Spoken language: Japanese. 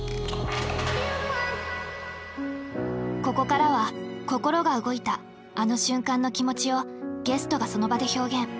ここからは心が動いたあの瞬間の気持ちをゲストがその場で表現。